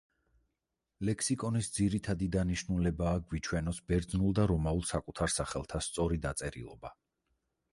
ლექსიკონის ძირითადი დანიშნულებაა გვიჩვენოს ბერძნულ და რომაულ საკუთარ სახელთა სწორი დაწერილობა.